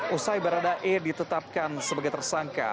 usai barada e ditetapkan sebagai tersangka